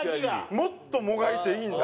もっともがいていいんだ。